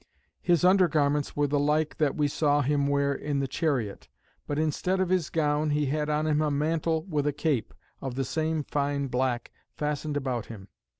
His under garments were the like that we saw him wear in the chariot; but instead of his gown, he had on him a mantle with a cape, of the same fine black, fastened about him.